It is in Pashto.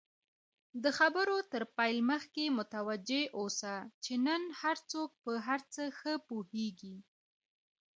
د خبرو تر پیل مخکی متوجه اوسه، چی نن هرڅوک په هرڅه ښه پوهیږي!